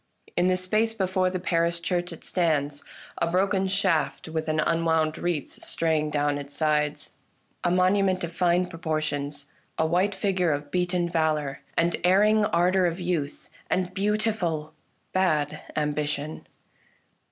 In the space before the parish church it stands — a broken shaft, with an unwound wreath straying down its sides; a monument of fine proportions, a white figure of beaten valour and erring ardour of youth and beautiful bad ambition.